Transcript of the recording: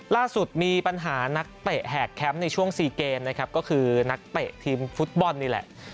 ล่าสุดมีปัญหานักเตะแหกแคมป์ในช่วง๔เกมนะครับก็คือนักเตะทีมฟุตบอลนี่แหละ